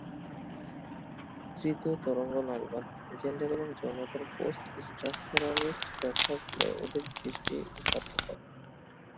তৃতীয় তরঙ্গ নারীবাদ জেন্ডার এবং যৌনতার পোস্ট-স্ট্রাকচারালিস্ট ব্যাখ্যাগুলোয় অধিক দৃষ্টি স্থাপন করে।